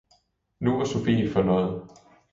nu var Sophie fornøjet!